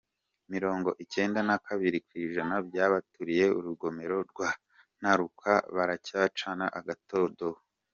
Mirongo icyenda na kabiri kwi jana by’abaturiye urugomero rwa Ntaruka baracyacana agatadowa